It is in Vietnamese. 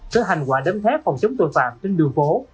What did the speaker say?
cho hành quả đấm thép phòng chống tội phạm trên đường phố